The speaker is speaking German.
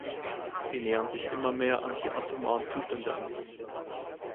Sie nähern sich immer mehr an die atomaren Zustände an.